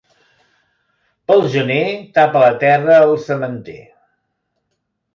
Pel gener, tapa la terra el sementer.